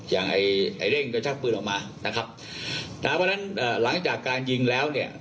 อย่างไอ้เร่งก็ชักปืนออกมานะครับนะเพราะฉะนั้นเอ่อหลังจากการยิงแล้วเนี่ย